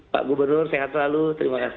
pak gubernur sehat selalu terima kasih